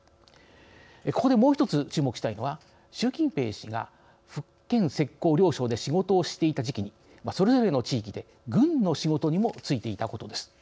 ここでもう一つ注目したいのは習近平氏が福建浙江両省で仕事をしていた時期にそれぞれの地域で軍の仕事にも就いていたことです。